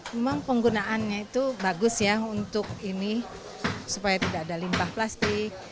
memang penggunaannya itu bagus ya untuk ini supaya tidak ada limbah plastik